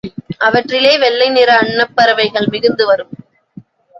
அவற்றிலே வெள்ளை நிற அன்னப் பறவைகள் மிதந்து வரும்.